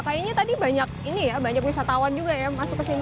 kayaknya tadi banyak wisatawan juga ya masuk ke sini